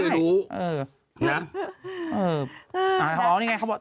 พี่ก็เลยรู้